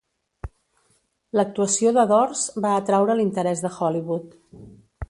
L"actuació de Dors va atraure l"interès de Hollywood.